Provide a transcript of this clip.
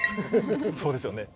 そうですよね。